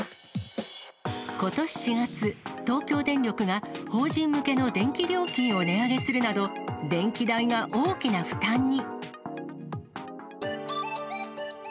ことし４月、東京電力が法人向けの電気料金を値上げするなど、電気代が大きな負担に。